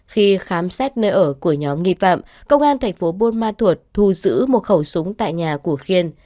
khi khám xét nơi ở của nhóm nghi phạm công an thành phố buôn ma thuột thu giữ một khẩu súng tại nhà của khiên